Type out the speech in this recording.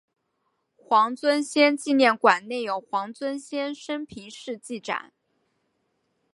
黄遵宪纪念馆内有黄遵宪生平事迹展。